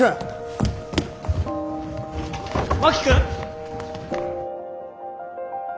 真木君！